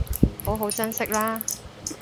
好好珍惜喇